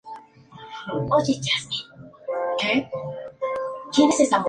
Al final de la temporada obtuvo una victoria en persecución en Janti-Mansisk.